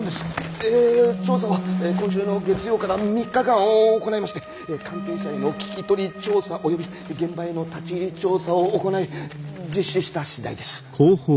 え調査は今週の月曜から３日間行いまして関係者への聞き取り調査及び現場への立ち入り調査を行い実施した次第です。